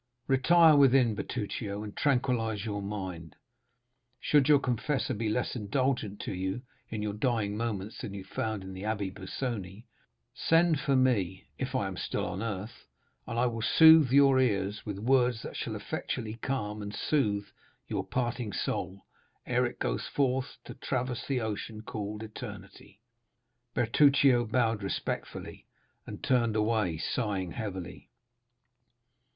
Retire within, Bertuccio, and tranquillize your mind. Should your confessor be less indulgent to you in your dying moments than you found the Abbé Busoni, send for me, if I am still on earth, and I will soothe your ears with words that shall effectually calm and soothe your parting soul ere it goes forth to traverse the ocean called eternity." Bertuccio bowed respectfully, and turned away, sighing heavily.